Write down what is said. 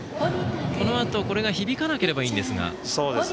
このあとこれが響かなければいいんですが。